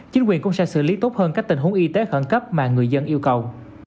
chính quyền cũng sẽ xử lý tốt hơn các tình huống y tế khẩn cấp mà người dân yêu cầu